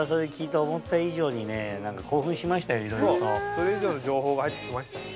それ以上の情報が入ってきましたし。